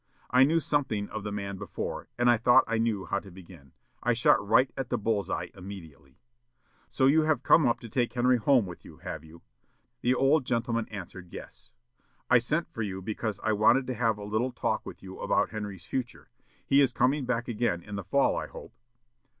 I knew something of the man before, and I thought I knew how to begin. I shot right at the bull's eye immediately. "'So you have come up to take Henry home with you, have you?' The old gentleman answered, 'Yes.' 'I sent for you because I wanted to have a little talk with you about Henry's future. He is coming back again in the fall, I hope?'